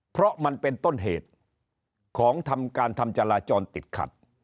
เพราะมันเป็นต้นเหตุของทำการทำจราจรติดขัด